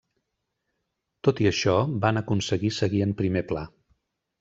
Tot i això, van aconseguir seguir en primer pla.